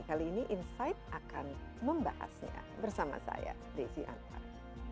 kali ini insight akan membahasnya bersama saya desi anwar